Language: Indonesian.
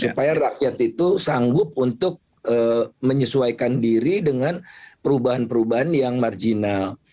karena itu yang pertama pemerintah itu sanggup untuk menyesuaikan diri dengan perubahan perubahan yang marginal